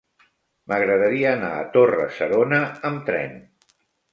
M'agradaria anar a Torre-serona amb tren.